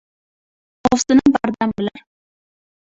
Ovsinim bardammilar?